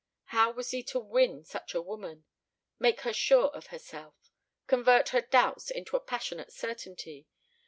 How was he to win such a woman? Make her sure of herself? Convert her doubts into a passionate certainty?